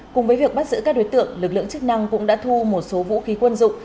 cùng với việc bắt giữ các đối tượng lực lượng chức năng cũng đã thu một số vũ khí quân dụng